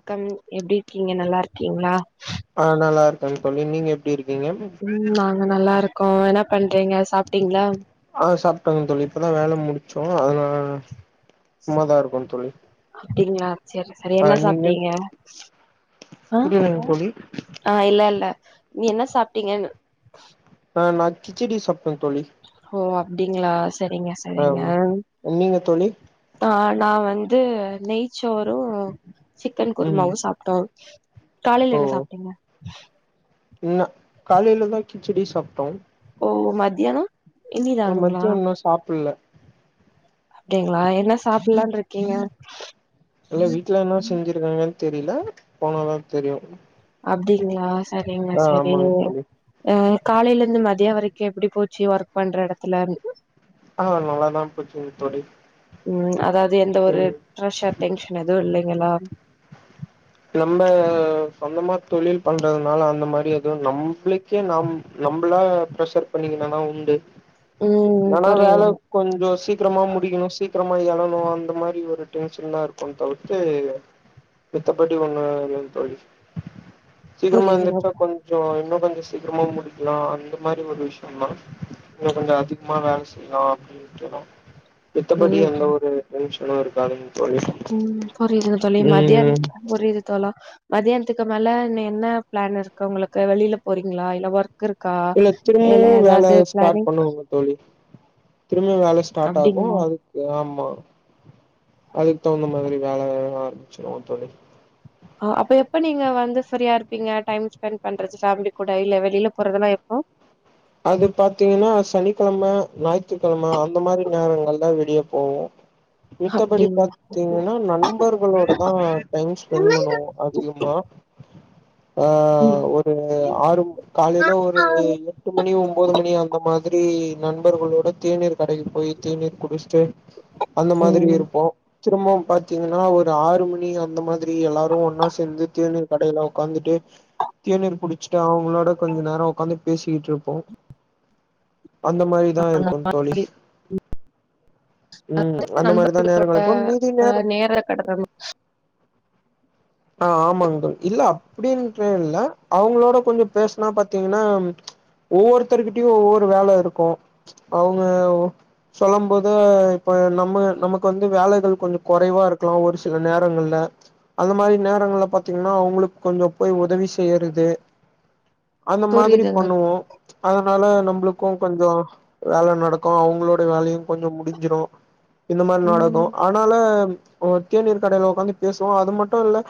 க்கம் எப்டி இருக்கீங்க நல்லா இருக்கீங்களா ஆ நல்லா இருக்கேங்க தோழி நீங்க எப்டி இருக்கீங்க ம் நாங்க நல்லா இருக்கோ என்ன பண்றீங்க சாப்ட்டீங்களா ஆ சாப்ட்டோங்க தோழி இப்பதா வேல முடிச்சோ அதனால சும்மாதா இருக்கோ தோழி அப்டீங்களா சேரி சேரி ஆ என்ன நீங்க சாப்ட்டீங்க அ புரியலங்க தோழி ஆ இல்ல இல்ல நீ என்ன சாப்ட்டீங்கன்னு ஆ நா கிச்சிடி சாப்டே தோழி ஓ அப்டீங்களா செரிங்க ஆ செரிங்க நீங்க தோழி ஆ நா வந்து நெயச்சோரோ சிக்கன் ம் குருமாவு சாப் ட்டோ காலைல என்ன சாப்ட்டீங்க இன்னா காலைலதா கிச்சடி சாப்ட்டோ ஓ மத்தியானோ ஓ இனிதானுங்களா மத்தியு இன்னு சாப்புட்ல அப்டீங்களா என்ன சாப்புட்லானு இருக்கீங்க இல்ல வீட்ல என்னா செஞ்சிருக்காங்கன்னு தெரியுல போனதா தெரியு அப்டீங்களா செரிங்க ஆ ஆமாங்க செரிங்க தோழி அ காலைல இருந்து மதியம் வரைக்கு எப்டி போச்சு ஒர்க் பண்ற எடத்துல ஆ நல்லாாதா போச்சுங்க தோழி ம் அதாவது எந்த ஒரு ம் ப்ரெஷர் டென்ஷன் எதுவு இல்லீங்களா நம்ப சொந்தமா தொழில் பண்றதுனால அந்த மாரி எதுவும் நம்புளி க்கே நாம் நம்புளா பிரஷர் பண்ணிக்கனா உண்டு ம் நானா வேல புரியுதுங்க கொஞ்சோ சீக்கிரமா முடிக்கணோ சீக்கிரமா எழணோ அந்த மாரி ஒரு டென்ஷன்தா இருக்கோ தவிர்த்து மத்தபடி ஒண்ணோ இல்லைங்க தோழி சீக்கிரமா புரியுதுங்க எந்துருச்சா கொஞ் சோ இன்னு கொஞ்சோ சீக்கிரமா முடிக்கலா அந்த மாரி ஒரு விஷ்யோந்தா இன்னு கொஞ்சோ அதிகமா வேல செய்யலா அப்டீன்ட்டுதா மித்தபடி ம் எந்த ஒரு டென்ஷனு இருக்காதுங்க ம் புரியுதுங்க தோழி மதியானோ புரியுது தோழா மதியானத்துக்கு மேல இன்னோ என்ன பிளான் இருக்கு உங்குளுக்கு வெளில போறீங்களா இல்ல ஒர்க் இருக்கா இல்ல இல்ல திரும்பவு வேல ஏதாவது ஸ்டார்ட் பிளானிங் பண்ணுவுங்க தோழி திரும்பவு வேல ஸ்டார்ட் ஆகோ அப்டிங்களா அதுக் ஏ ஆமா அதுக்கு தகுந்த மாரி வேல வேலலா ஆரம்பிச்சுருவோ தோழி அப்ப எப்ப நீங்க வந்து ஃப்ரீயா இருப்பீங்க டைம் ஸ்பெண்ட் பண்றது ஃபேமிலி கூட இல்ல வெளில போறதுல்லா எப்போ அது பாத்தீங்கன்னா சனிக்கெழம ஞாயித்துக்கெழம அந்த மாரி நேரங்கள்ல விடிய போவோ மித்தபடி அப்டிங்களா பாத்தீங்கன்னா நன் நண்பர்களோடதா டைம் ஸ்பெண்ட் பண்ணுவோ அதிகமா ஆ ம் ஒரு ஆறு ம் காலையில ஒரு எ ட்டு மணி ஒம்போது மணி அந்த மாரி நண்பர்களோட தேநீர் கடைக போய் தேநீர் குடிச்சுட்டு அந்த மாதிரி இருப்போ திரும்பவு பாத்தீங்கன்னா ஒரு ஆறு மணி அந்த மாரி எல்லாரு ஒன்னா சேந்து தேநீர் கடையில ஒக்காந்துட்டு தேநீர் குடிச்சிட்டு அவுங்களோட கொஞ்ச நேரோ ஒக்காந்து பேசிக்கிட்டு இருப் போ அந்த மாரிதா இருக்கோ தோழி ம் அந்த நண்பர் மாரிதா நேரோ கழிப்போம் மீதி அ நேரம் நேர கடத்த ஆ ஆமாங்க இல்ல அப்டீன்ற இல்ல அவங்களோட கொஞ்சோ பேசனா பாத்தீங்கன்னா ஒவ்வோருத்தருர்கிட்டயு ஒவ்வோரு வேல இருக்கோ அவுங்க சொல்லும் போது இப்ப நம்ம நமக்கு வந்து வேலைகள் கொஞ்சோ கொறைவா இருக்கலா ஒரு சில நேரங்கள்ல அந்த மாரி நேரங்கள்ல பாத்தீங்கன்னா அவுங்களுக்கு கொஞ்சோ போய் உதவி செய்யுறது அந்த மாதிரி புரியுதுங்க பண்ணுவோ அதனால நம்மளுக்கு கொஞ்சோ வேல நடக்கு அவுங்களோட வேலயு கொஞ்சோ முடிஞ்சிடு இந்த மாரி நடக்கு ம் அதனால ஒரு தேநீர் கடையில ஒட்காந்து பேசுவோ அது மட்டு இல்ல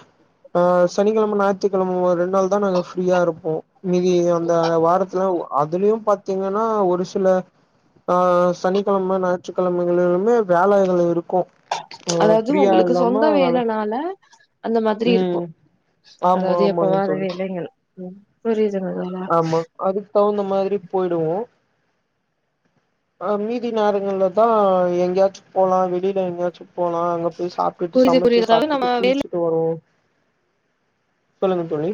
ஆ சனிக்கெழம ஞாயித்துக்கெழம ரெண்டு நாள்தா நாங்க ஃப்ரீயா இருப்போ மீதி அந்த வாரத்துலா அதுலயு பாத்தீங்கன்னா ஒரு சில ஆ சனிக்கெழம ஞாயிற்றுக்கெழமைகளிலுமே வேலைகளிருக்கு ஆ ஃப்ரீயா இல்லாம வேல ஆல அந்த மாதிரி இருக்கு ம் ஆமா அதாது ஆமாங்க எப்பவாது தோழி இலைங்கள் ம் புரியுதுங்களா ஆமா அதுக்கு தகுந்த மாரி போயிடுவோ ஆ மீதி நேரங்கள்லதா எங்கியாச்சு போலா வெளியில எங்கியாச்சு போலா அங்க போய் சாப் ட்டு புரியுது புரியுது சமைச்சு அதாவது நம்ம சாப்ட்டுட்டு வேலை குளிச்சிட்டு வருவோ சொல்லுங்க தோழி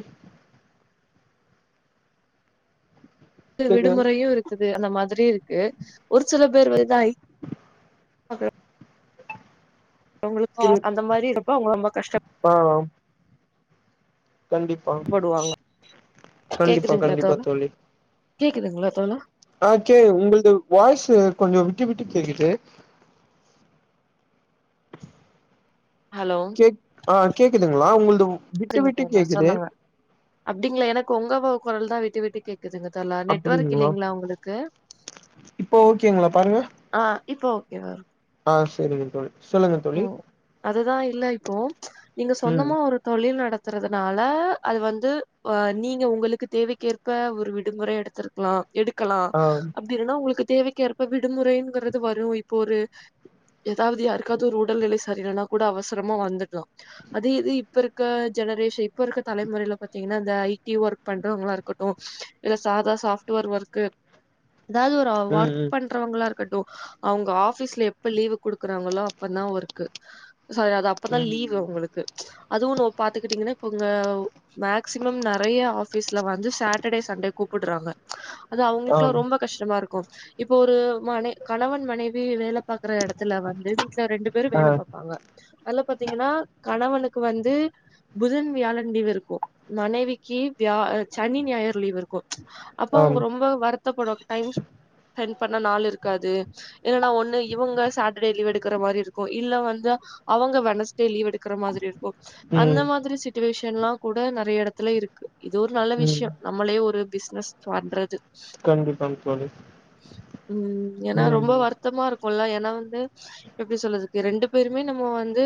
கேக்குதா விடுமுறையு இருக்குது அந்த மாதிரி இருக்கு ஒரு சில பேர் வ இதாய் அவுங்களுக்கு புரியுது அந்த மாரி இருப்ப அவுங்க ரொம்போ கஷ்ட ஆ கண்டிப்பா கஷ்டப்படுவாங்க கண்டிப்பா கேக்குதுங்களா கண்டிப்பா தோழா தோழி கேக்குதுங்களா தோழா ஆ கேக் உங்கள்து வாய்ஸு கொஞ்சோ விட்டு விட்டு கேக்குது ஹலோ கேக் ஆ கேக்குதுங்களா உங்கள்து வு விட்டு கேக்குதுங்க விட்டு தோழா கேக்குது சொல்லுங்க அப்டிங்களா எனக்கு ஒங்க போ கொரல்தா விட்டு கேக் குதுங்க தோழா நெட்வொர்க் அப்டிங்களா இல்லைங்களா ஒங்களுக்கு இப்போ ஓகேங்களா பாருங்க ஆ இப்போ ஓகேவா இருக்கு ஆ செரிங்க தோழி சொல்லுங்க தோழி ம் அதுதா இல்ல இப்போ நீங்க ம் சொந்தமா ஒரு தொழில் நடத்துறதுனால அது வந்து வ நீங்க உங்களுக்கு தேவைக்கேற் இப்ப ஒரு விடுமுறை எடுத்திருக்கலா எடுக்கலா ஆ அப் டில்லனா உங்களுக்கு தேவைக்கேற்ப விடுமுறைங்கிறது வரு இப்போ ஒரு ஏதாவுது யாரு க்காது ஒரு உடல்நிலை சரியில்லனா கூட அவசரமா வந்துக்கலா அது இது இப்ப இருக்க ஜெனரேஷ இப்ப இருக்க தலைமுறையில பாத்தீங்கன்னா இந்த ஐடி ஒர்க் பண்றவங்களா இருக்கட்டு இல்ல சாதா சாப்ட்வரு ஒர்க்கு ஏதாது ஒரு ம் ஒர்க் ம் பண்றவங்களா இருக்கட்டு அவங்க ஆபீஸ்ல எப்ப லீவு குடுக்குறாங்களோ அப்பனா ஒர்க்கு சாரி அது அப்பதா ம் லீவு அவுங்களுக்கு அதுவு லோ பாத்துக்கிட்டீங்கன்னா இப்ப இங்க மேக்சிமம் நெறயா ஆ ஃபீஸ்ல வந்து சேட்டர்டே சண்டே கூப்புடுறாங்க அது அவுங்களுக்குல்லா ஆம் ரொம்ப கஷ்டமா இருக்கு இப்போ ஒரு மனை கணவன் மனைவி வேல பாக்குற எடத்துல வந்து வீட்ல ரெண்டு பேரு ஆ வேல பாப்பாங்க அதுல்ல பாத்தீங்கன்னா கணவனுக்கு வந்து புதன் வியாழன் லீவு இருக்கு மனைவிக்கி வியா ஆ சனி ஞாயிற் லீவு இருக் கு அப்போ ஆம் அவுங்க ரொம்ப வருத் தபடுற டைம் ஸ்பெண்ட் பண்ண நாள் இருக்காது ஏன்னா ஒன்னு இவங்க சாட்டர்டே லீவு எடு க்கற மாரி இருக்கு இல்ல வந்து அவங்க வனஸ்டே லீவ் எடுக்கற மாதிரி இருக்கு அந்த ம் மாதிரி சி ட்சிவேஷன்லா கூட நெறய எடத்துல இருக்கு இது ஒரு நல்ல ம் விஷியோ நம்மளே ஒரு பிஸ்னஸ் பண்றது கண்டிப்பாங்க தோழி உம் ஏன்னா ம் ரொம்ப வருத்தமா இருக்குல்ல ஏனா வந்து எப்டி சொல்றக்கு ரெண்டு பேருமே நம்மோ வந்து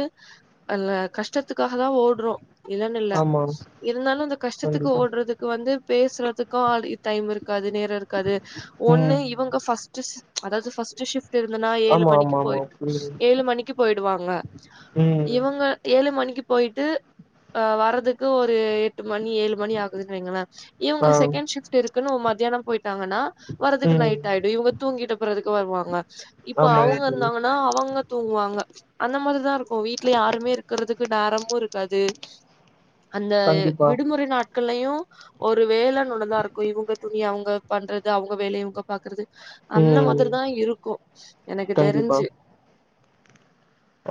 அல கஷ்டத்துக்காகதா ஓடுறோ இல்லன்னு இல்ல ஆமா இருந்தாலு அந்த கஷ்டத்துக்கு கண்டிப்பா ஓடுறது வந்து பேசுறதுக்கு ஆள் டைம் இருக்காது நேரோ இருக்காது ஒண்ணு ம் இவுங்க ஃபர்ஸ்ட் அதாவது ஃபர்ஸ்ட் ஷிப்ட் இருந்தா ஏழு ஆமா மணிக்கு ஆமா ஆமா போயி புரியுது ஏழு மணிக்கு போயிடுவாங்க ம் இவுங்க ஏழு மணிக்கு போயிட்டு அ வர்றதுக்கு ஒரு எட்டு மணி ஏழு மணி ஆகுதுன்னு வைங்ள இவுங்க ஆ செகண்ட் ஷிஃப்ட் இருக்குன்னு மத்தியானம் போயிட்டாங்கனா வரதுக்கு ம் நைட் ஆயிடு இவுங்க தூங்கட்டு போறதுக்கு வருவாங்க இப்ப ஆமாங்க அவுங்க தோழி இருந்தாங்க அவுங்க தூங்குவாங்க அந்த மார்தா இருக்கு வீட்ல யாருமே இருக்கிறது க் நேரமு இருக்காது அந்த கண்டிப்பா விடுமுறை நாட் க்கள்ளையு ஒரு வேலனு ஒன்னுதா இருக்கு இவுங்க துணி அவுங்க பண்றது அவுங்க வேலய இவங்க பாக்கறது அந்த ம் மாதிரி தா இருக்கு எனக்கு தெரிஞ்சு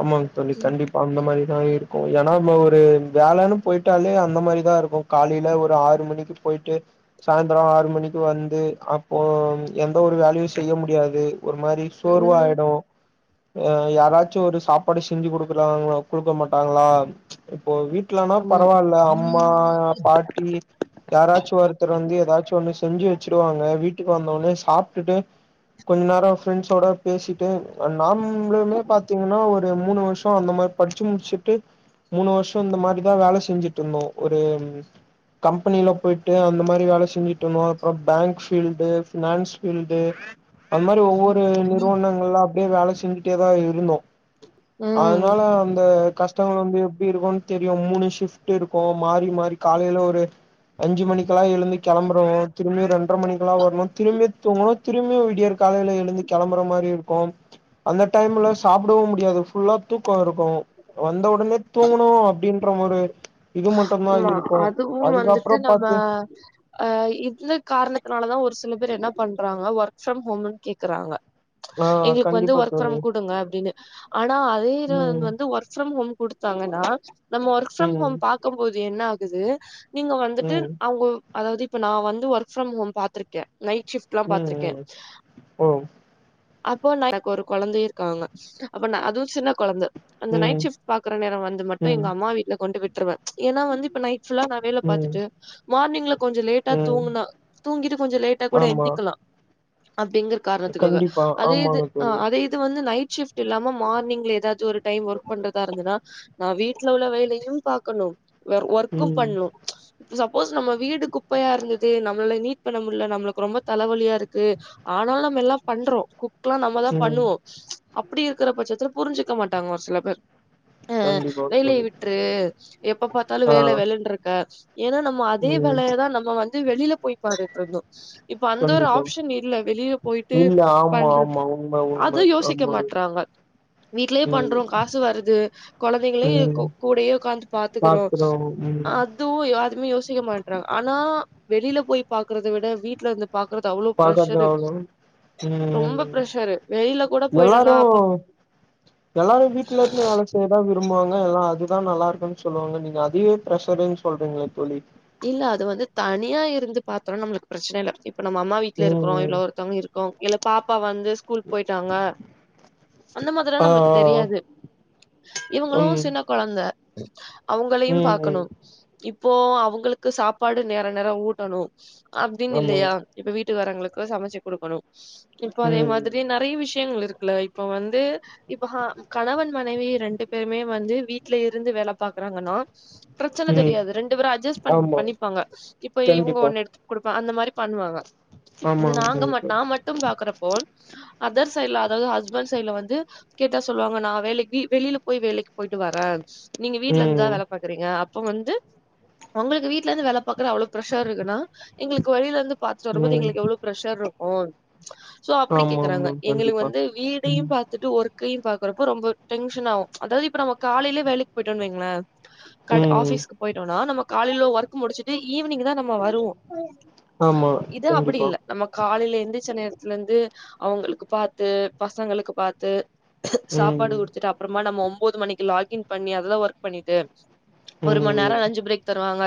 ஆமாங் தோழி ம். கண்டிப்பா அந்த மாரிதா இருக் ஏனா நம்ம ஒரு வேலன்னு போயிட்டாலே அந்த மாரிதா இருக்கு காலைல ஒரு ஆறு மணிக்கு போயிட்டு சாய்ந்ரோ ஆறு மணிக்கு வந்து அப்போ எந்த ஒரு வேலயு செய்ய முடியாது ஒரு மாரி ம். சோர்வாயிடு யாராச் சாப்பாடு செஞ்சு குடுக்கறாங்களா குடுக்க மாட்டாங்களா இப்போ வீட்லனா ஆமா. பரவால்ல அம்மா பாட்டி யாராச்சு ஒருத்தர் வந்து ஏதாச்சு ஒண்ணு செஞ்சு வெச்சிருவாங்க வீட்டுக்கு வந்தவுடனே சாப்டுட்டு கொஞ் நேரோ ஃரெண்ட்ஸோட பேசிட்டு நாமளுமே பா த்தீங்னா ஒரு மூணு வருஷோ அந்த மாரி படிச்சு முடிச்சுட்டு மூணு வருஷோ இந்த மாரிதா வேல செஞ்சுட்ருந்தோ ஒரு கம்பெனில போயிட்டு அந்த மாரி வேல செஞ்சுட்டு இந்தோ அப்றோ பேங்க் பீல்டு பினான்ஸ் ஃபீல்டு அதுமாரி ஒவ்வொரு நிறுவனங்கள்ல அப்டியே வேல செஞ்சுட்டே தா இருந்தோ ம். அதனால வந் து கஷ்டங்கள் வந்து எப்டி இருக்குனு தெரியு மூணு ஷிப்ட்டு இருக்கு மாறி மாறி காலைல ஒரு அஞ்சு மணிக்கெல்லா எழுந்து கெளம்றோ திரும்பி ரெண்ரை மணிக்கெல்லா வரணு திரும்பி தூங்ணு திரும்பி விடியர் காலைல எழுந்து கெளம்புற மாரி இருக்கு அந்த டைம்ல சாப்பிடவு முடியாது ஃபுல்லா தூக்கோ இருக்கு வந்த உடனே தூங்ணு அப்டின் ற ஒரு இது மட்டுதா இருக்கு அதுக்கப்றோ பாத்தீங் ஆ அ இந்த காரணத்தினால தா ஒரு சில பேர் என்ன பண்றாங்க ஒர்க் ஃப்ரம் ஹோம்ன்னு கேக்கறாங்க ஆ எங்ளுக்கு வந்து கண்டிப்பா ஒர்க் ஃப்ரம் தோழி குடுங்க அப்டின்னு ஆனா அதேதா ம் வந்து ஒர்க் ஃப்ரம் ஹோம் குடுத்தாங்கனா நம்ம ஒர்க் ஃப்ரம் ஹோம் ம் பாக்கும்போது என்ன ஆகுது நீங்க வந்துட்டு ம் அவுங்க அதாவ்து இப்ப நா வந்து ஒர்க் ஃப்ரம் ஹோம் பாத்துருக்கே நைட் ஷிஃப்ட்லா ம் பாத்திருக்கே ம் ஓ எனக்கு ஒரு கொழந்தையு இருக்காங்க அப்ப நா அதுவு சின்னக் கொழந்த அந்த ம் நைட் ஷிப்ட் பாக்கற நேரோ வந்து மட்டு ம் எங்கம்மா வீட்ல கொண்டு விட்ருவே ஏனா வந்து இப்ப நைட் ஃபுள்ளா வேலை ம் பாத்துட்டு மார்னிங்ல கொஞ்சம் லேட்டா ம் தூங்கனா தூங்கிட்டு கொஞ்ச லேட்டா கூட ஆமா எந்திக்கலா அப்டிங்கற காரணத்துக்காக கண்டிப்பா அதே இது ஆமாங்க அ தோழி அதே இது இது வந்து நைட் ஷிஃப்ட் இல்லாம மார்னிங்ல ஏதாவ்து ஒரு டைம் ஒர்க் பண்றதா இருந்தனா நா வீட்ல உள்ள வேலையு பாக்கணு வெ ஒர்க்கு ம் பண்ணூ சப்போஸ் நம்ம வீடு குப்பையா இருந்தது நம்ளாள நீட் பண்ண முடில நம்ளுக்கு ரொம்ப தலைவலியா இருக்கு ஆனாலு நம்பெல்லா பண்றோ குக்லா நம்மதா ம் பண்ணுவோ அப்டி இருக்கற பட்சத்துல புரிஞ்சுக்க மாட்டாங்க ஒரு சில பேர் அ கண்டிப்பா வேலைய தோழி விட்ரு எப்ப பாத்தாலு ஆ வேல வேலனு இருக்கா ஏன்னா நம் ம அதே ம் வேலைய தா நம்ம வந்து வெளில போய் பாத்துட்டுருந்தோ இப்ப அந்த ஒரு கண்டிப்பா ஆப்ஷன் இல்ல வெளிய போயி பே இல்ல ஆமா பண்றது ஆமா உண்ம அது உண்ம யோசிக்க ஆமாங்க மாட்றாங்க வீட்லே ம் பண்றோ காசு வருது கொழந்தைங்களையு ம் கூடயே உக்காந்து பாத்துக்கறோ பாக்குறோ ம் அ அதுவு யாருமே யோசிக்க மாட்றாங்க ஆனா வெளில போய் பாக்கறத விட வீட்ல இந்து பாக்குறது அவ்ளோ பாக்காத ப்ரெஷரு அவ்ளோ ரொம்ப ம் பிரஷரு வெளியில கூட போயிடோனா எல்லாரு அப்ப எல்லாரு வீட்ல இருந்தே வேல கேதா விரும்புவாங்க எல்லா அதுதா நல்லா இருக்குன்னு சொல்லுவாங்க நீங்க அதுவே பிரஷருன்னு சொல்றீங்களே தோழி இல்ல அது வந்து தனியா இருந்து பாத்தோனா நம்மளுக்கு பிரச்சன இல்ல இப்ப நம்ம அம்மா வீட்ல ம் இருக்றோ ம் இவ்ளோ ஒருத்தவங்க இரு கோ இல்ல பாப்பா வந்து ஸ்கூல் போய்ட்டாங்க அந்த மாதிரில்லா ஆ நம்மளுக்கு தெரியாது ஆ இவங்களு ம் சின்ன கொழந்த அவங்களையு ம் பாக்கணு ம் இப்போ அவங் களுக்கு சாப்பாடு நேர நேர ஊட்டணு அப்டின்னு ஆமா இல்லையா இப்ப வீட்டுக்காரங்களுக்கு சமைச்சு குடுக்கணு இப்போ அதே ம் மா ரி நெறைய விஷயங்கள் இருக்குல இப்ப வந்து இப்ப ஹ கணவன் மனைவி ரெண்டு பேருமே வந்து வீட்ல இருந்து வேல பாக்குறாங்கன்னா பிரச்சன ம் தெரியாது ரெண்டு பேரு அட்ஜஸ்ட் பண் ஆமா பண்ணிப்பாங்க இப்ப இவங்க கண்டிப்பா ஒன்னு எடுத்து குடுப்பாங்க அந்த மாரி பண்ணுவாங்க ஆமா இது ஆமா நாங்க ம இப்ப நா மட்டு பாக்குறப்போ அதர் சைட்ல அதாவது ஹஸ்பண்ட் சைட்ல வந்து கேட்டா சொல்லுவாங்க நா வேலைக்கு வெளியில போய் வேலைக்கு போயிட்டு வர நீங்க வீட்ல ம் இருந்துதா வேல பாக்குறீங்க அப்ப வந்து உங்களுக்கு வீட்ல இருந்து வேல பாக்குறது அவ்ளோ பிரஷர் இருக்குன்னா எங்களுக்கு வழியில இருந்து பாத்துட்டு வரும்போது ம் எங்களுக்கு எவ்ளோ பிரஷர் இருக்கு சோ அப்டி ஆமா கேக்குறாங்க ஆமா எங்களுக்கு கண்டிப்பா வந்து வீடையு ப த்துட்டு ஒர்க்கியு பாக்குறப்போ ரொம்ப டென்ஷன் ஆவு அதாவது இப்ப நம்ம காலையிலயே வேலைக்கு போயிட்டோ வைங்களா க ம் ஆஃபிஸ்க்கு போயிட்டோனா நம்ம காலைல ஒர்க் முடிச்சுட்டு ஈவினிங் தா நம்ம வருவோ ஆமா இது அப்டி கண்டிப்பா இல்ல நம்ம காலைல இருந்து சின் நேரத்துல இருந்து அவங்களுக்கு பாத்து பசங்களுக்கு பாத்து சாப்பாடு ம் குடுத்துட்டு அப்புறமா நம்ம ஒம்போது மணிக்கு லாக்இன் பண்ணி அதுல்லா ஒர்க் பண்ணிட்டு ஒரு மண் நேரோ ம் அஞ்சு பிரேக் தருவாங்க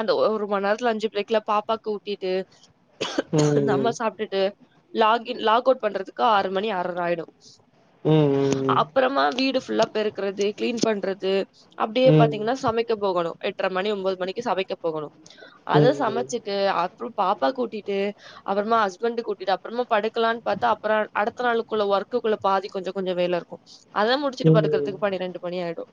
அந்த ஒரு மணி நேரத்துல அஞ்சு பிரேக்ல பாப்பாக் கூட்டிட்டு ம் நம்ம சாப்டுட்டு ல லாக் இன் லாக் அவுட் பண்றதுக்கு ஆறு மணி ஆற்ர ஆய்ரு ம் அப்றமா வீடு ஃபுல்லா பெருக்கறது கிளீன் பண்றது அப்டியே ம் ம் ம் பாத்தீங்கன்னா சமைக் க போகணு எட்ர மணி ஒம்போது மணிக்கு சமைக்க போகணு அத சமைச்சுட் அப்புற பாப்பாக்கு கூட்டிட்டு அப்பறமா ஹஸ்பண்ட் கூட்டிட்டு அப்பறமா படுக்கலான்னு பாத்த அப்றோ அடுத்த நாளுக்குள்ள ஒர்க்குள்ள பாதி கொஞ்ச கொஞ்ச வேல இருக்கு அத முடிச்சுட்டு படுக்கறதுக்கு பனிரெண்டு மணி ஆய்டு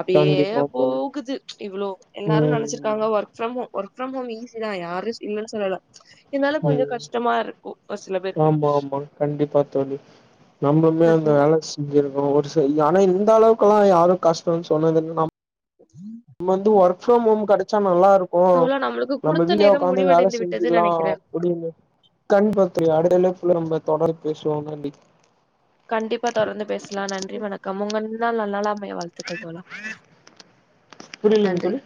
அப்டியே கண்டிப்பா தோழி போகுது இவ்ளோ எல்லாரு ம் நெனச்சிருக்காங்க work from home work from home easy தா யாரு இல்லன்னு சொல்லல இதனால கொஞ்சோ ம் கஷ்டமா இருக்கு ஒரு சில பேருக்கு ஆமா ஆமா கண்டிப்பா தோழி நம்மமே தட்டு அந்த வேல ஒரு சரி ஆனா இந்த அளவுக்குெல்லாம் யாரும் கஷ்டம்ன்னனு சொன்னது இல்லனா உம் நம் வந்து ஒர்க் ஃப்ரம் ஹோம் கடச்சா நல்லா இருக் ஓ தோழா நம்மளுக்கு நம்ம குடுத்த வீடே நேரம் உக்காந்து வேல முடிவடைந்து விட்டது செஞ்சிக்கலாம் நெனைக்கிறேன் அப்படின்னு கண் பத்திரி அடு அளக்குள்ள நம்ம தொடர் பேசுவாங்கண்டி கண்டிப்பா தொடர்ந்து பேசலாம் நன்றி வணக்கம் உங்கன்னள் நா நலம் பய வாழ்த்துக்கள் தோலா புரியலங்க நன்றி தோழி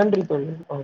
நன்றி தோழி ஆ